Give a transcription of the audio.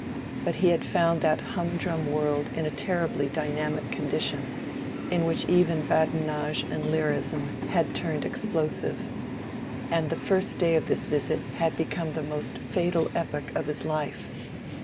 But he had found that humdrum world in a terribly dynamic condition, in which even badinage and lyrism had turned explosive; and the first day of this visit had become the most fatal epoch of his life.